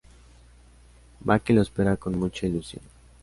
Maki lo espera con mucha ilusión.